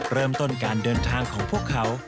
เริ่มต้นการเดินทางของพวกเขา